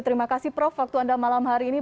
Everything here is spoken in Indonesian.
terima kasih prof waktu anda malam hari ini